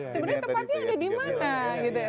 sebenarnya tempatnya ada di mana gitu ya